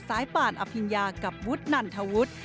ป่านอภิญญากับวุฒนันทวุฒิ